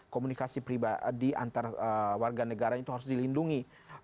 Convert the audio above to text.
komunikasi pribadi antar warga negara itu harus dilindungi